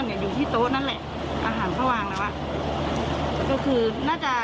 อยู่ที่โต๊ะนั่นแหละอาหารเขาวางแล้วอ่ะก็คือน่าจะ